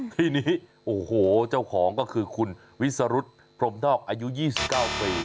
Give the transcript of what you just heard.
ทีนี้โอ้โหเจ้าของก็คือคุณวิสรุธพรมนอกอายุ๒๙ปี